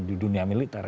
di dunia militer